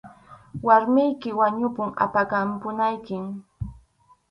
Warmiykim wañupun, apakapunaykim.